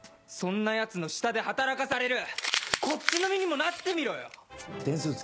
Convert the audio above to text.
そんなヤツの下で働かされるこっちの身にもなってみろよ！